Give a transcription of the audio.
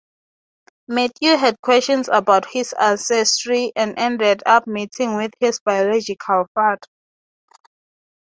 Matthew had questions about his ancestry and ended up meeting his biological father.